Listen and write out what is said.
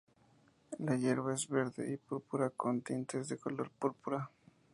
La hierba es verde y púrpura con tintes de color púrpura.